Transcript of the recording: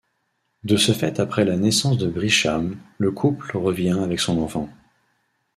De ce fait après la naissance de Brychan, le couple revient avec son enfant.